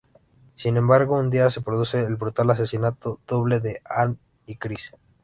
Sin embargo, un día se produce el brutal asesinato doble de Ann y Criss.